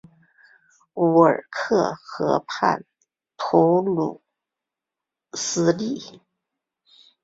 乌尔克河畔普吕斯利。